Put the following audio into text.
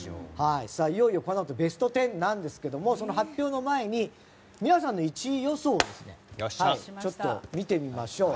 いよいよこのあとベスト１０ですがその発表の前に皆さんの１位予想をちょっと見てみましょう。